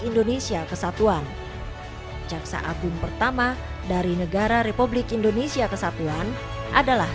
indonesia kesatuan jaksa agung pertama dari negara republik indonesia kesatuan adalah